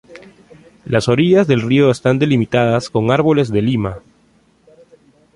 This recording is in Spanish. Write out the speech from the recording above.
Las orillas del río están delimitadas con árboles de lima.